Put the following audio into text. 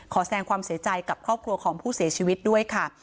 แสดงความเสียใจกับครอบครัวของผู้เสียชีวิตด้วยค่ะ